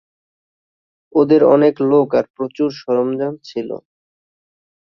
ওদের অনেক লোক আর প্রচুর সরঞ্জাম ছিল।